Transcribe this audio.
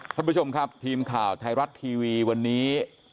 ท่านผู้ชมครับทีมข่าวไทยรัฐทีวีวันนี้